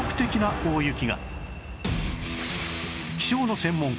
気象の専門家